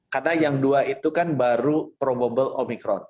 karena yang dua itu kan baru probable omicron